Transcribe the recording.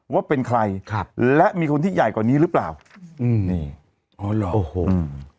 ว่าเป็นใครครับและมีคนที่ใหญ่กว่านี้หรือเปล่าอ๋อหล่ะอืม